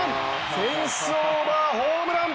フェンスオーバー、ホームラン！